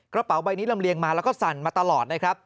กระเป๋าใบนี้ลำเลียงมาแล้วก็สั่นมาตลอดนะครับ